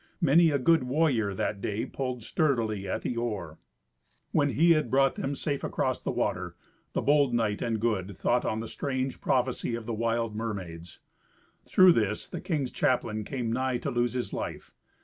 Many a good warrior that day pulled sturdily at the oar. When he had brought them safe across the water, the bold knight and good thought on the strange prophecy of the wild mermaids. Through this the king's chaplain came nigh to lose his life.